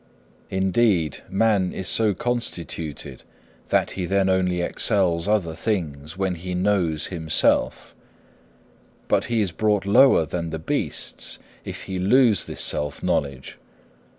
Indeed, man is so constituted that he then only excels other things when he knows himself; but he is brought lower than the beasts if he lose this self knowledge.